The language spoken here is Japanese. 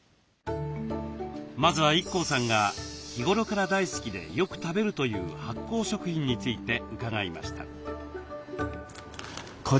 まずはＩＫＫＯさんが日頃から大好きでよく食べるという発酵食品について伺いました。